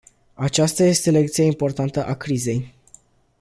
Aceasta este lecția importantă a crizei.